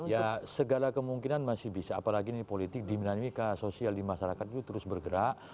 ya segala kemungkinan masih bisa apalagi ini politik dinamika sosial di masyarakat itu terus bergerak